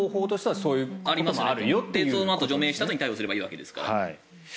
そのあと除名したあとに逮捕すればいいわけですから。